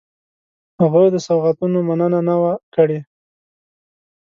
هغه د سوغاتونو مننه نه وه کړې.